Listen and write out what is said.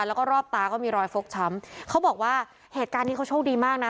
แล้วก็รอบตาก็มีรอยฟกช้ำเขาบอกว่าเหตุการณ์นี้เขาโชคดีมากนะ